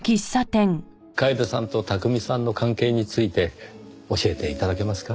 楓さんと巧さんの関係について教えて頂けますか？